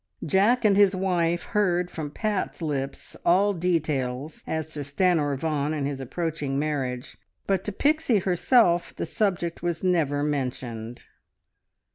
Jack and his wife heard from Pat's lips all details as to Stanor Vaughan and his approaching marriage, but to Pixie herself the subject was never mentioned.